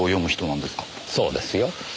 そうですよ。